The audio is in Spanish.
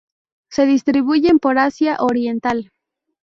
Se distribuyen por Asia oriental.